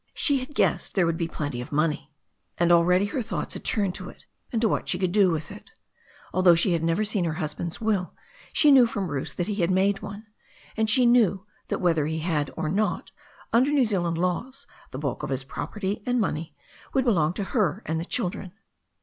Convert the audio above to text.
She had guessed there would be plenty of money, and already her thoughts had turned to it and to what she could do with it. Although she had never seen her hus band's will she knew from Bruce that he had made one, THE STORY OF A NEW ZEALAND RIVER 415 and she knew that whether he had or not, under the New Zealand laws the bulk of his money and property would belong to her and the children.